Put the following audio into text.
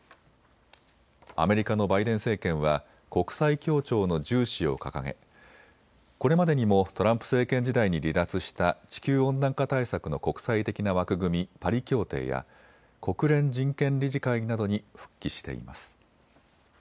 アメリカのバイデン政権は国際協調の重視を掲げこれまでにもトランプ政権時代に離脱した地球温暖化対策の国際的な枠組み、パリ協定や国連人権理事会などに復帰しています。